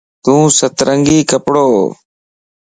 يوسترنگي ڪپڙووَ